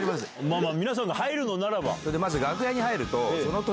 皆さんが入るのならば。